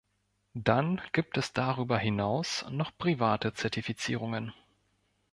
Dann gibt es darüber hinaus noch private Zertifizierungen.